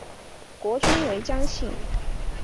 国君为姜姓。